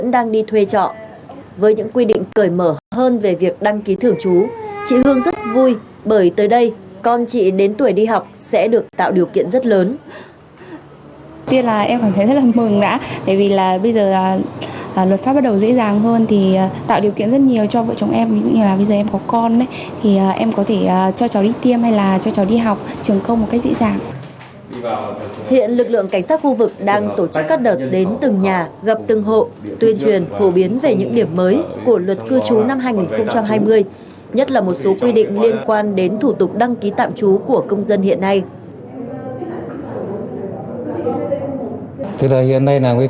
lượng cảnh sát khu vực đang tổ chức các đợt đến từng nhà gặp từng hộ tuyên truyền phổ biến về những điểm mới của luật cư trú năm hai nghìn hai mươi nhất là một số quy định liên quan đến thủ tục đăng ký tạm trú của công dân hiện nay